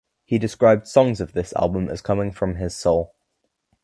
He described songs of this album as coming from his soul.